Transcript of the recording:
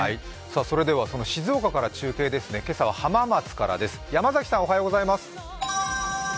それではその静岡から中継ですね、今朝は浜松からです。